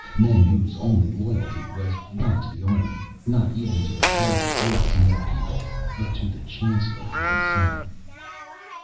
Men whose only loyalty was not to the army, nor even to the Kerak Worlds and their people, but to the chancellor himself.